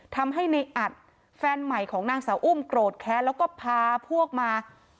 ทำให้ในอัดแฟนใหม่ของนางสาวอุ้มโกรธแค้นแล้วก็พาพวกมา